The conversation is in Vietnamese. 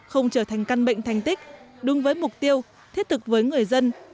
không trở thành căn bệnh thành tích đúng với mục tiêu thiết thực với người dân